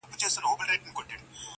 دا روڼه ډېــوه مي پـه وجـود كي ده.